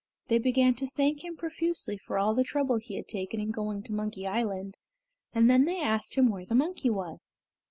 They began to thank him profusely for all the trouble he had taken in going to Monkey Island, and then they asked him where the monkey was.